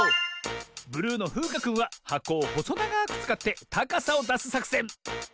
ブルーのふうかくんははこをほそながくつかってたかさをだすさくせん。